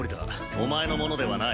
お前のものではない。